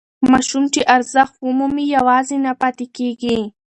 ماشوم چې ارزښت ومومي یوازې نه پاتې کېږي.